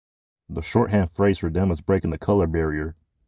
The shorthand phrase for them is "breaking the color barrier".